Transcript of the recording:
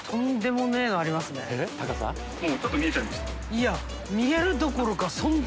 いや。